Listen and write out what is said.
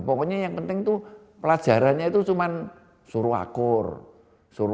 pokoknya yang penting itu pelajarannya itu cuma suru akur